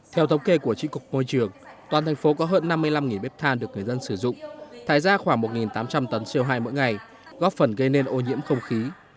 theo thống kê của trị cục môi trường toàn thành phố có hơn năm mươi năm bếp than được người dân sử dụng thải ra khoảng một tám trăm linh tấn co hai mỗi ngày góp phần gây nên ô nhiễm không khí